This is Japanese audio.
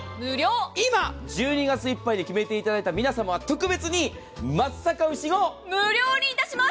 今、１２月いっぱいで決めていただいた皆さまは特別に無料にいたします。